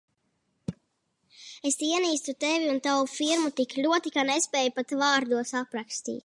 Es ienīstu Tevi un tavu firmu tik ļoti, ka nespēju pat vārdos aprakstīt.